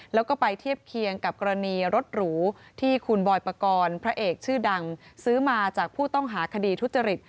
แล้วก็ไปเทียบเคียงกับกรณีรถหรูที่คุณบอยปกรณ์พระเอกชื่อดังซื้อมาจากผู้ต้องหาคดีทุจริต